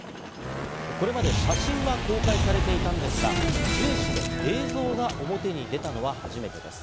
これまで写真は公開されていたんですが、ジュエ氏の映像が表に出たのは初めてです。